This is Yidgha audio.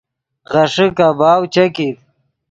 غیݰے کباؤ چے کیت